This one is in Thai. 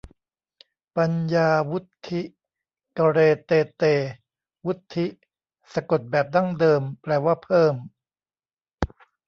ปัญญาวุฑฒิ กะเรเตเต วุฑฒิ สะกดแบบดั้งเดิมแปลว่าเพิ่ม